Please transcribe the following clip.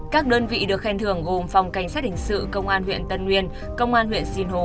các đơn vị được khen thưởng gồm phòng cảnh sát hình sự công an huyện tân nguyên công an huyện sinh hồ